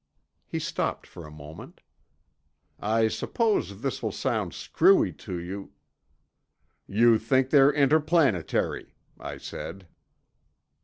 He stopped for a moment. "I suppose this will sound screwy to you—" "You think they're interplanetary," I said.